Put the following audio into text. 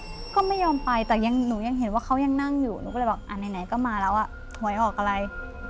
ก็ไม่ยอมไปแต่หนูยังเห็นว่าเขายังนั่งอยู่หนูก็เลยบอกไหนก็มาแล้วหวยออกอะไร